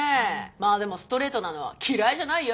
でもストレートなのは嫌いじゃないよ。